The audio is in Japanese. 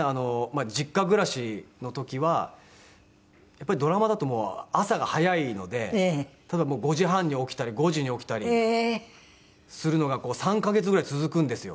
実家暮らしの時はやっぱりドラマだと朝が早いので５時半に起きたり５時に起きたりするのが３カ月ぐらい続くんですよ。